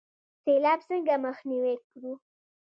سیلاب څنګه مخنیوی کړو؟